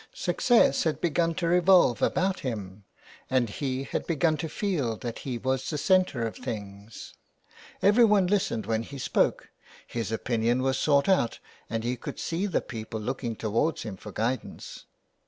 Success had begun to re volve about him, and he had begun to feel that he was the centre of things : Everyone listened when he spoke ; his opinion was sought out, and he could see the people looking towards him for guidance.